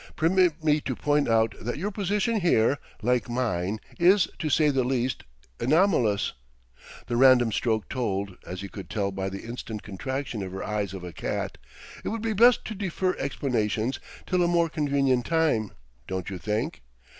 Permit me to point out that your position here like mine is, to say the least, anomalous." The random stroke told, as he could tell by the instant contraction of her eyes of a cat. "It would be best to defer explanations till a more convenient time don't you think?